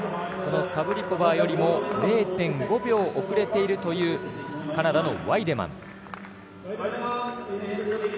そのサブリコバーよりも０．５秒遅れているというカナダのワイデマン。